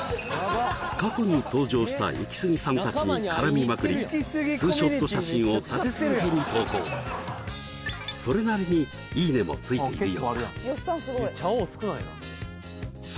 過去に登場したイキスギさん達に絡みまくりツーショット写真を立て続けに投稿それなりにいいねもついているようだよっさん